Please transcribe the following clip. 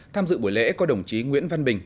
tham dự buổi lễ có đồng chí nguyễn văn bình